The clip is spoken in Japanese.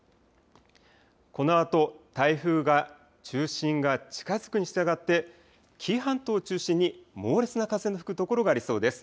このあと台風が中心が近づくにしたがって紀伊半島中心に猛烈な風の吹く所がありそうです。